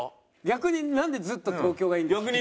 逆になんでずっと東京がいいんですか？